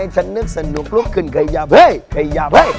สนุกลุกขึ้นขยับเฮ้ยขยับเฮ้ย